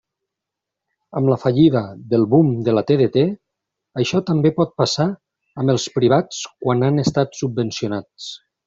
Amb la fallida del boom de la TDT això també pot passar amb els privats quan han estat subvencionats.